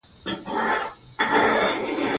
عبارت د مانا وضاحت کوي.